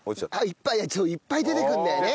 いっぱいいっぱい出てくるんだよね。